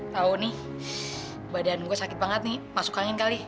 tahu nih badan gue sakit banget nih masuk angin kali